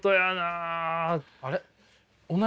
あれ？